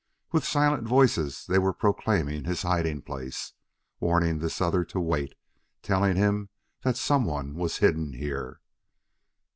With silent voices they were proclaiming his hiding place, warning this other to wait, telling him that someone was hidden here.